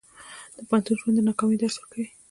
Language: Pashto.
د پوهنتون ژوند د ناکامۍ درس ورکوي.